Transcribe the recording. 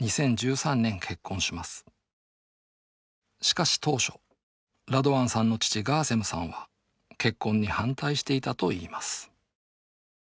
しかし当初ラドワンさんの父ガーセムさんは結婚に反対していたといいます